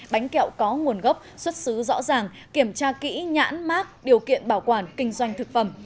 bánh kẹo có nguồn gốc xuất xứ rõ ràng kiểm tra kỹ nhãn mát điều kiện bảo quản kinh doanh thực phẩm